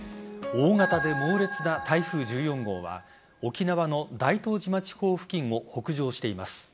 大型で猛烈な台風１４号は沖縄の大東島地方付近を北上しています。